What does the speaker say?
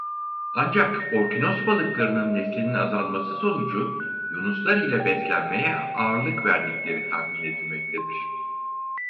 Ancak orkinos balıklarının neslinin azalması sonucu yunuslar ile beslenmeye ağırlık verdikleri tahmin edilmektedir.